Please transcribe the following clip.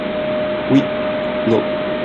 Oui/Non.